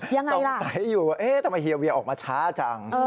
ยังไงล่ะตรงสัยอยู่ว่าเอ๊ะทำไมเฮียเวียออกมาช้าจัง